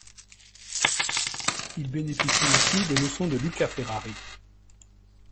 Il bénéficie aussi des leçons de Luca Ferrari.